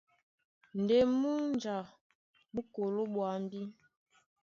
Ndé múnja mú koló ɓwambí.